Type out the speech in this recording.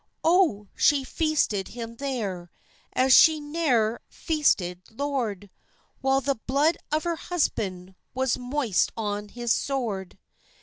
Oh! she feasted him there As she ne'er feasted lord, While the blood of her husband Was moist on his sword.